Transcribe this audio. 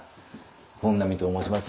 本阿彌と申します。